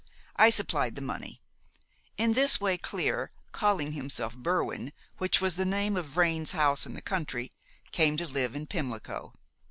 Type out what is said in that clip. I supplied the money. In this way Clear, calling himself Berwin, which was the name of Vrain's house in the country, came to live in Pimlico.